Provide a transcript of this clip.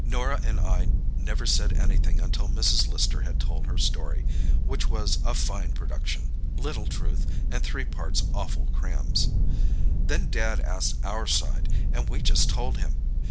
"Norah and I never said anything until Mrs. Lister had told her story, which was a fine production, little truth, and three parts awful crams. Then Dad asked for our side, and we just told him.